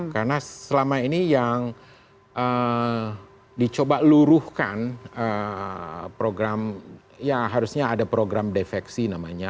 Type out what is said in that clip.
karena selama ini yang dicoba luruhkan program ya harusnya ada program defeksi namanya